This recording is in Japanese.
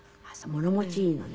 物持ちいいのね。